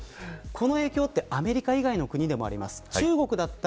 この影響はアメリカ以外の国でもあります。